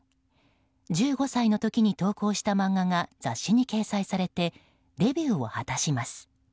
１５歳の時に投稿した漫画が雑誌に掲載されてデビューを果たします。